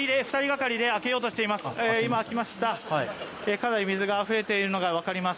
かなり水があふれているのが分かります。